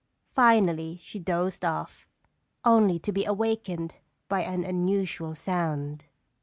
Finally she dozed off, only to be awakened by an unusual sound.